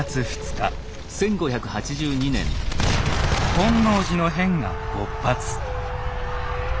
「本能寺の変」が勃発。